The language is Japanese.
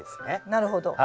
なるほど。